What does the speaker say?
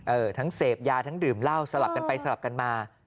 ทั้งเสพยาทั้งดื่มเหล้าสลับกันไปสลับกันมา